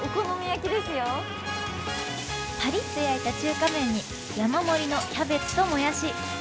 パリッと焼いた中華麺に山盛りのキャベツともやし。